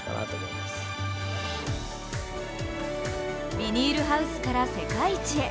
ビニールハウスから世界一へ。